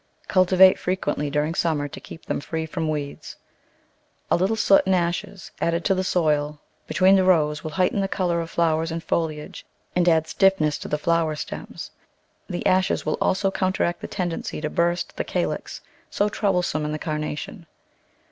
Cultivate frequently during summer to keep them free from weeds. A little soot and ashes added to the soil Digitized by Google Eight] f^ouae*piante ;> between the rows will heighten the colour of flowers and foliage and add stiffness to the flower stems. The ashes will also counteract the tendency to burst the calyx, so troublesome in the Carnation.